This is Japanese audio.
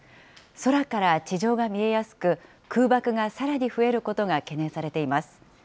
空から地上が見えやすく、空爆がさらに増えることが懸念されています。